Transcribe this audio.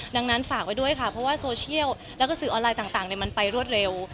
ดังนั้นฝากไว้ด้วยค่ะเพราะว่าโซเชียลแล้วก็สื่อออนไลน์ต่างมันไปรวดเร็ว